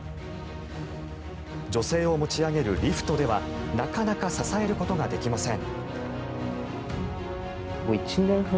女性を持ち上げるリフトではなかなか支えることができません。